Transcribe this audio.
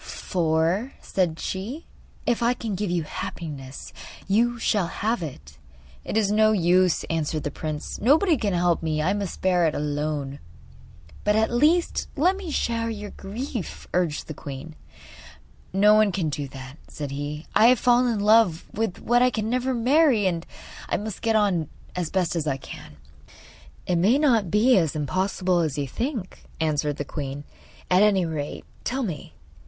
'For,' said she, 'if I can give you happiness you shall have it.' 'It is no use,' answered the prince; 'nobody can help me. I must bear it alone.' 'But at least let me share your grief,' urged the queen. 'No one can do that,' said he. 'I have fallen in love with what I can never marry, and I must get on as best I can.' 'It may not be as impossible as you think,' answered the queen. 'At any rate, tell me.